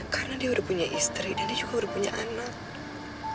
karena dia udah punya istri dan dia juga udah punya anak